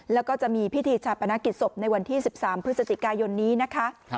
แล้วก็จะมีพิธีชาปนกิจศพในวันที่๑๓พฤศจิกายนนี้นะคะ